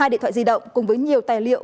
hai điện thoại di động cùng với nhiều tài liệu